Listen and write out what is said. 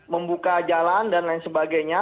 membuka jalan dan lain sebagainya